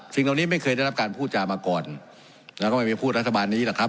เหล่านี้ไม่เคยได้รับการพูดจามาก่อนแล้วก็ไม่มีพูดรัฐบาลนี้หรอกครับ